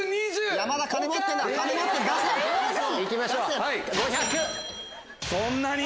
行きましょう。